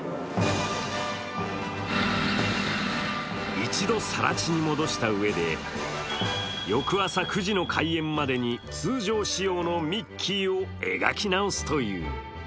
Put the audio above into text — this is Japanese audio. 一度さら地に戻したうえで翌朝９時の開演までに通常仕様のミッキーを描き直すという。